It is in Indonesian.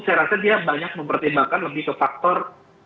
saya rasa dia banyak mempertimbangkan lebih ke faktor